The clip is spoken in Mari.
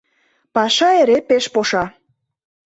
Паша эре пеш поша